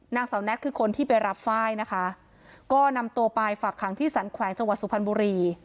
นางสาวแท็กคือคนที่ไปรับไฟล์นะคะก็นำตัวไปฝากขังที่สรรแขวงจังหวัดสุพรรณบุรี